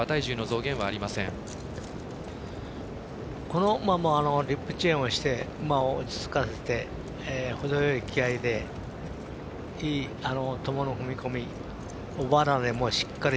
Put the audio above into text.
この馬もリップチェーンをして落ち着かせて、程よい気合いでいいトモの踏み込み。